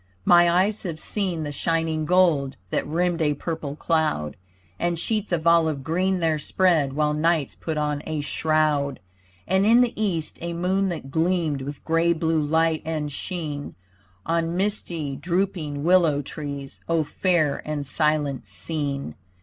My eyes have seen the shining gold, That rimmed a purple cloud, And sheets of olive green there spread, While night puts on a shroud. And in the east a moon that gleamed With grey blue light and sheen, On misty, drooping willow trees, O fair and silent scene.